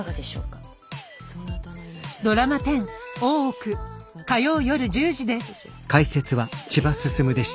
ドラマ１０「大奥」火曜夜１０時です。